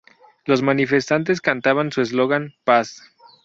Los manifestantes cantaban su eslogan "¡paz!